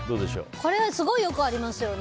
これはすごいよくありますよね。